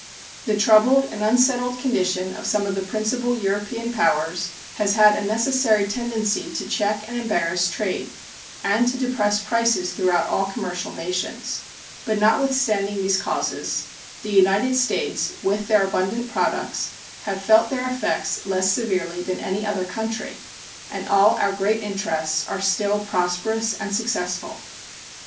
The troubled and unsettled condition of some of the principal European powers has had a necessary tendency to check and embarrass trade and to depress prices throughout all commercial nations, but notwithstanding these causes, the United States, with their abundant products, have felt their effects less severely than any other country, and all our great interests are still prosperous and successful.